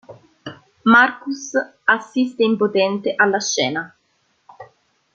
Marcus assiste impotente alla scena.